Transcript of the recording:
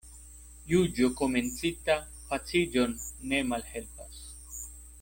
Juĝo komencita paciĝon ne malhelpas.